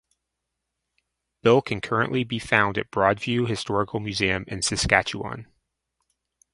Bill can currently be found at Broadview Historical Museum in Saskatchewan.